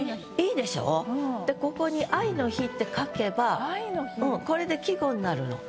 でここに「愛の日」って書けばこれで季語になるの。